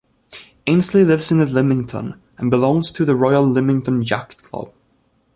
Ainslie lives in Lymington, and belongs to the Royal Lymington Yacht Club.